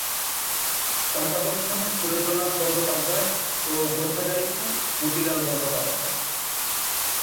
সম্পাদক হন সুরেন্দ্রনাথ বন্দ্যোপাধ্যায় ও গ্রন্থাগারিক হন মতিলাল বন্দ্যোপাধ্যায়।